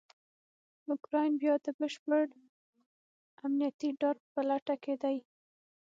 اوکرایین بیا دبشپړامنیتي ډاډ په لټه کې دی.